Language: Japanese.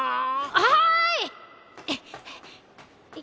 はい！